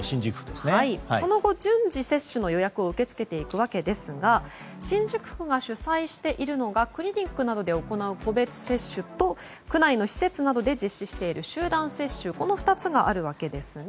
その後、順次接種の予約を受け付けていくわけですが新宿区が主催しているのがクリニックなどで行う個別接種と区内の施設などで実施している集団接種この２つがあるわけですね。